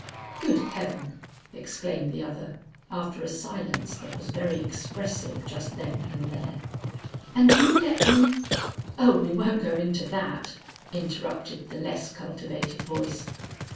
'Good heaven!' exclaimed the other, after a silence that was very expressive just then and there, 'and you let me ' 'Oh we won't go into that,' interrupted the less cultivated voice.